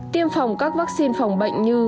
tiêm phòng các vaccine phòng bệnh như